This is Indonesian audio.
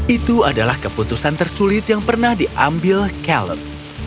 itu adalah keputusan tersulit yang pernah diambil caleb